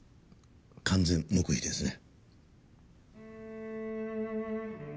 完全黙秘ですね。